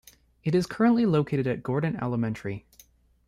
It is currently located at Gordon Elementary.